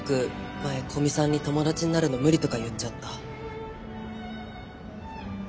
前古見さんに「友達になるのムリ」とか言っちゃった。